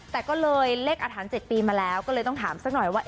แต่ก็เลยเลขอาถรรพ์๗ปีมาแล้วก็เลยต้องถามสักหน่อยว่า